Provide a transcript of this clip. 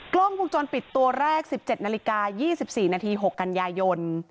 กล้องวงจรปิดตัวแรก๑๗นาฬิกา๒๔นาที๖กันยายน